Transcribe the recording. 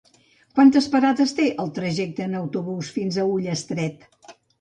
Quantes parades té el trajecte en autobús fins a Ullastret?